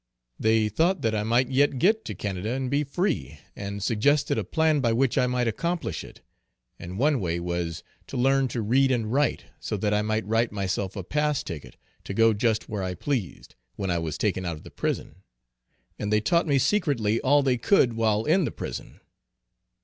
They thought that I might yet get to Canada, and be free, and suggested a plan by which I might accomplish it; and one way was, to learn to read and write, so that I might write myself a pass ticket, to go just where I pleased, when I was taken out of the prison; and they taught me secretly all they could while in the prison.